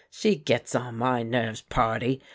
She gets on my nerves, pardy!